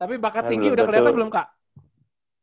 tapi bakat tinggi udah kelihatan belum kak